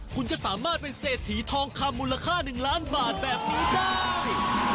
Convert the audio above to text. คุณจะสามารถเป็นเศรษฐีทองคำมูลค่า๑ล้านบาทแบบนี้ได้